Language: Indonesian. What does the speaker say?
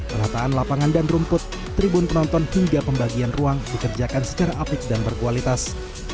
penataan lapangan dan rumput tribun penonton hingga pembagian ruang dikerjakan secara apik dan berkualitas